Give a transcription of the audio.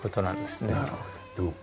なるほど。